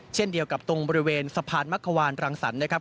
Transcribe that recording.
เช่นเดียวกับตรงบริเวณสะพานมักขวานรังสรรค์นะครับ